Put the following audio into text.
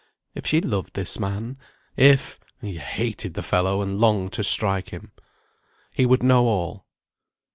If she loved this man. If he hated the fellow, and longed to strike him. He would know all.